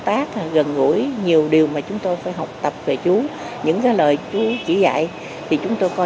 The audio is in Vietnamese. tác gần gũi nhiều điều mà chúng tôi phải học tập về chú những cái lời chú chỉ dạy thì chúng tôi coi